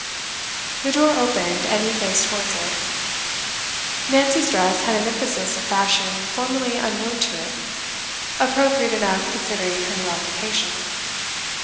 The door opened, and he faced towards it. Nancy's dress had an emphasis of fashion formerly unknown to it; appropriate enough considering her new occupation.